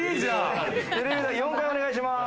４階お願いします。